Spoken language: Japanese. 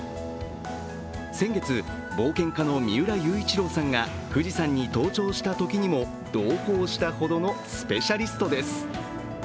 先月、冒険家の三浦雄一郎さんが富士山に登頂したときにも同行したほどのスペシャリストです。